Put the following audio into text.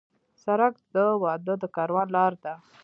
سړک د واده د کاروان لار ده.